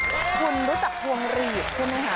คุณคณะคุณรู้จักภวงหลีดใช่ไหมฮะ